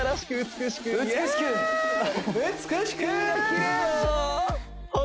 美しくー！